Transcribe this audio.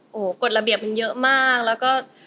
โอ้โหกฎระเบียบมันเยอะมากแล้วก็